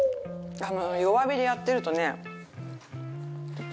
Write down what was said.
弱火でやってるとね。